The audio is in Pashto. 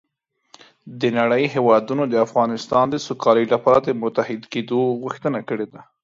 د نړۍ هېوادونو د افغانستان د سوکالۍ لپاره د متحد کېدو غوښتنه کړې